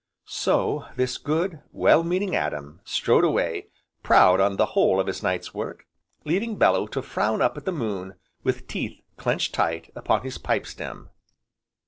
So this good, well meaning Adam strode away, proud on the whole of his night's work, leaving Bellew to frown up at the moon with teeth clenched tight upon his pipe stem.